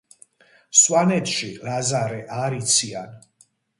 სვანეთში ლაზარე არ იციან.